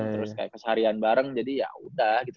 terus kayak keseharian bareng jadi ya udah gitu